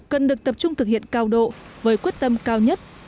cần được tập trung thực hiện cao độ với quyết tâm cao nhất